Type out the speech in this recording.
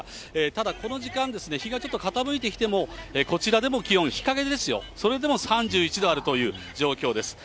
ただ、この時間、日がちょっと傾いてきても、こちらでも気温、日陰ですよ、それでも３１度あるという状況です。